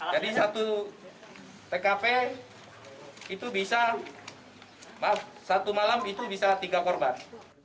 jadi satu tkp itu bisa maaf satu malam itu bisa tiga korban